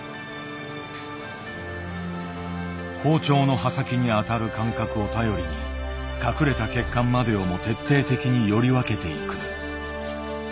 包丁の刃先に当たる感覚を頼りに隠れた血管までをも徹底的により分けていく。